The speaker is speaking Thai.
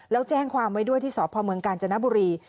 แล้วแจ้งความไว้ด้วยที่สพเมืองกาญจนบุรี